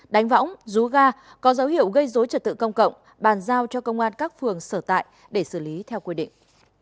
đánh võng rú ga có dấu hiệu gây dối trật tự công cộng bàn giao cho công an các phường sở tại để xử lý theo quy định